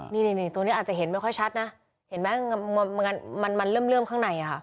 นี่ตัวนี้อาจจะเห็นไม่ค่อยชัดนะเห็นไหมมันเริ่มข้างในค่ะ